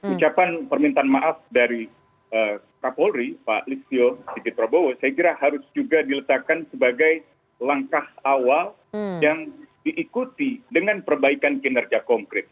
ucapan permintaan maaf dari kapolri pak listio sigit prabowo saya kira harus juga diletakkan sebagai langkah awal yang diikuti dengan perbaikan kinerja konkret